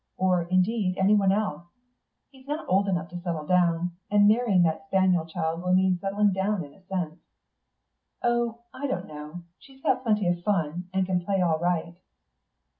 Or, indeed, anyone else? He's not old enough to settle down. And marrying that spaniel child will mean settling down in a sense." "Oh, I don't know. She's got plenty of fun, and can play all right."